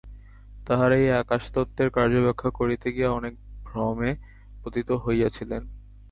তাঁহারা এই আকাশতত্ত্বের কার্য ব্যাখ্যা করিতে গিয়া অনেক ভ্রমে পতিত হইয়াছিলেন।